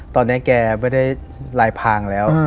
ตอนนี้แกไม่ได้ลายพางแล้ว